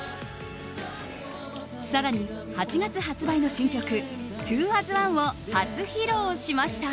更に８月発売の新曲「ＴｗｏａｓＯｎｅ」を初披露しました。